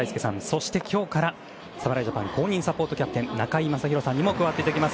そして、今日から侍ジャパン公認サポートキャプテン中居正広さんにも加わっていただきます。